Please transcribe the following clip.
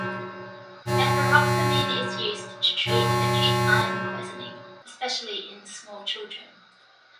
Deferoxamine is used to treat acute iron poisoning, especially in small children.